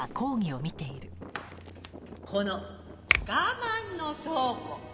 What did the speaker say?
「この我慢の倉庫」